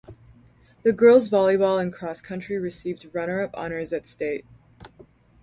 The girls volleyball and cross country received runner-up honors at state.